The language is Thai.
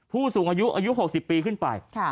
ผู้สูงอายุอายุ๖๐ปีขึ้นไป